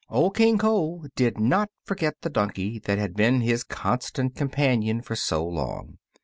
Old King Cole did not forget the donkey that had been his constant companion for so long.